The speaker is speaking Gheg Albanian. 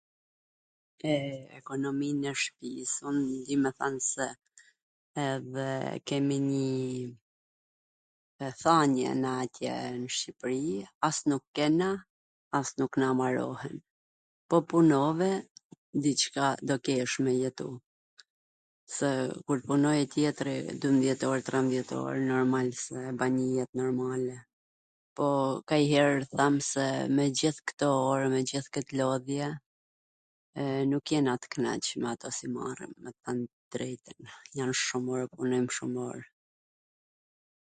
Pwr ekonomin e shpis un di me than se e kemi nji thanie na atje n Shqipri, as nuk kena as nuk na marohen. Po punove, diCka do kesh me jetu, se kur t punoj tjetri dymbdhjet or trembdhjet or normal se ban njw jet normale, po kanjher tham se me gjith kto or , me gjith kwt lodhje, nuk jena t knaq me atw si marrim me t than t drejtwn, jan shum or, punojm shum or,